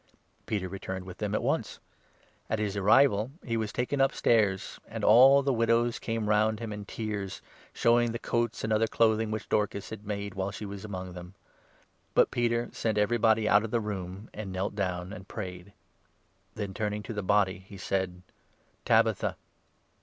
Peter returned with them at once. On his arrival, 39 he was taken upstairs, and all the widows came round him in tears, showing the coats and other clothing which Dorcas had made while she was among them. But Peter sent everybody 40 out of the room, and knelt down and prayed. Then, turning to the body, he said : "Tabitha!